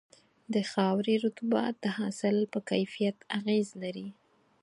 د خاورې رطوبت د حاصل پر کیفیت اغېز لري.